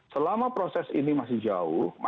selama proses ini masih jauh